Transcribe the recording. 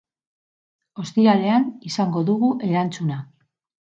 Ostiralean izango dugu erantzuna.